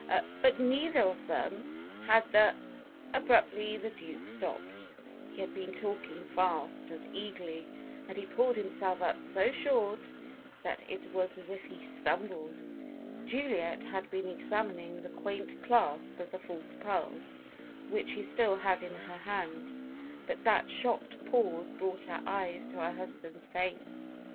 But neither of them had the " Abruptly the Duke stopped. He had been talking fast and eagerly, and he pulled himself up so short that it was as if he stumbled. Juliet had been examining the quaint clasp of the false pearls, which she still had in her hand, but that shocked pause brought her eyes to her husband's face.